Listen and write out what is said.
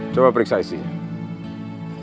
coba periksa isinya